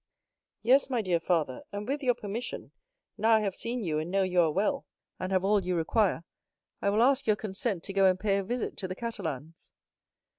"Yes, my dear father, and with your permission, now I have seen you, and know you are well and have all you require, I will ask your consent to go and pay a visit to the Catalans."